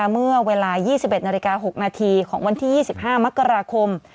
เมื่อเวลา๒๑นาฬิกา๖นาทีของวันที่๒๕มกราคม